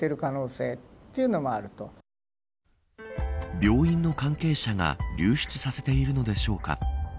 病院の関係者が流出させているのでしょうか。